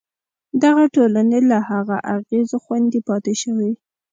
دغه ټولنې له هغو اغېزو خوندي پاتې شوې.